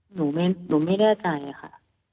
หนูไม่ได้อาจายค่ะ